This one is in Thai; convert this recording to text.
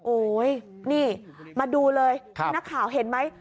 โอ๊ยนี่มาดูเลยนักข่าวเห็นไหม